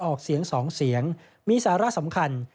ออกเสียง๒เสียงมีสาระสำคัญ